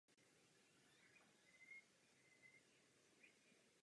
To se tak postupně rozvíjelo a vzniklo několik zemědělských areálů.